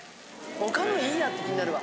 「他のいいや」って気になるわ。